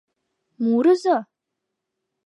Мурызо!